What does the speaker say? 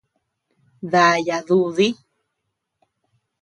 Dáaya dudi.